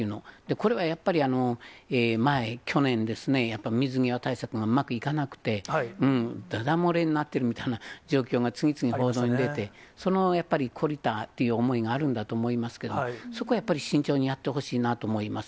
これはやっぱり前、去年ですね、やっぱり水際対策がうまくいかなくて、だだ漏れになってるみたいな状況が次々報道に出て、その懲りたっていう思いがあると思いますけど、そこはやっぱり慎重にやってほしいなと思います。